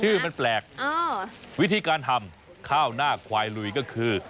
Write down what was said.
ชื่อมันแปลกวิธีการทำข้าวหน้าควายลุยก็คือ